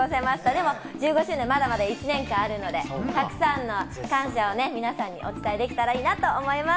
でも１５周年まだまだ１年間あるので、たくさんの感謝を皆さんにお伝えできたらいいなと思います。